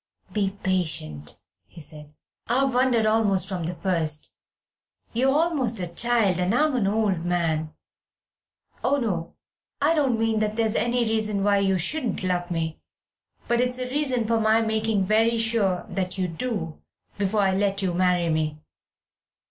"Be patient," he said. "I've wondered almost from the first. You're almost a child, and I'm an old man oh, no, I don't mean that that's any reason why you shouldn't love me, but it's a reason for my making very sure that you do before I let you marry me.